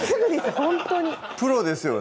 ほんとにプロですよね